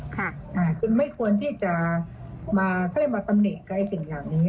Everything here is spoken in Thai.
คือไม่ควรที่จะมาตำเนกกับสิ่งอย่างนี้